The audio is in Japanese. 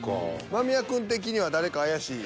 間宮くん的には誰か怪しい。